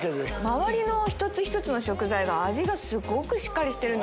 周りの一つ一つの食材が味がすごくしっかりしてる。